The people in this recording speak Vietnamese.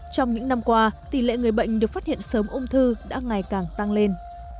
trong những năm qua tỷ lệ người bệnh được phát hiện sớm ung thư đã ngày càng tăng lên